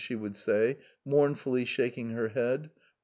she said mournfully, shaking her head.